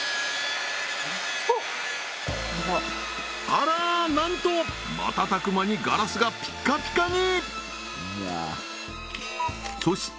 あらなんと瞬く間にガラスがピッカピカに！